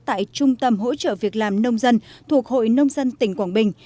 tại trung tâm hỗ trợ việc làm nông dân thuộc hội nông dân tỉnh quảng bình